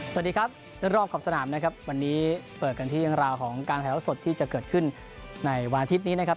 สวัสดีครับร่วมขอบสนามนะครับวันนี้เปิดกันที่ยังราวของการแถวสดที่จะเกิดขึ้นในวันอาทิตย์นี้นะครับ